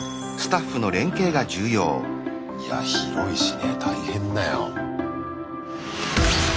いや広いしね大変だよ。